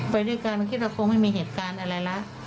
ไปด้วยกันคิดว่าคงไม่มีเหตุการณ์อะไรแล้ว